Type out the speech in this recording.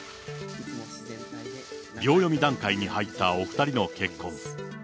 秒読み段階に入ったお２人の結婚。